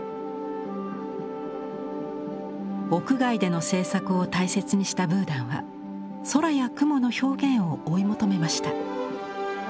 屋外での制作を大切にしたブーダンは空や雲の表現を追い求めました。